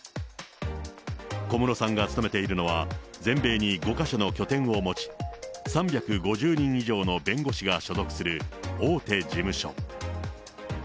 小室さんが勤めているのは、全米に５か所の拠点を持ち、３５０人以上の弁護士が所属する、大手事務所。